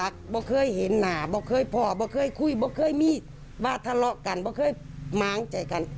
โรงพยาบาล